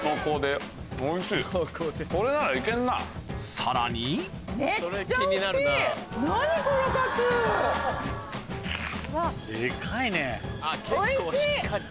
さらにデカいね。